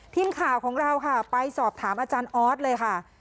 ทีมข่าวของเราค่ะไปสอบถามอาจารย์ออสเลยค่ะ